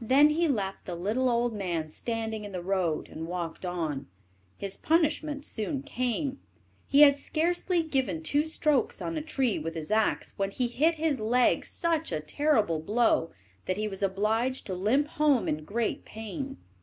Then he left the little old man standing in the road, and walked on. His punishment soon came; he had scarcely given two strokes on a tree with his axe, when he hit his leg such a terrible blow that he was obliged to limp home in great pain.